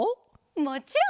もちろん！